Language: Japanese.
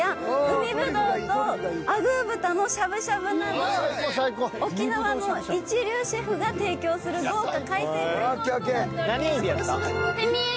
海ぶどうとアグー豚のしゃぶしゃぶなど沖縄の一流シェフが提供する豪華海鮮フルコースとなっております。